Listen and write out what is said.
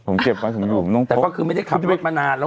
ผมเก็บไปทำงานผมต้องพกแต่ก็คือไม่ได้ขับรถมานานแล้ว